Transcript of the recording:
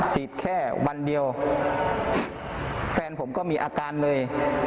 แค่วันเดียวแฟนผมก็มีอาการเลย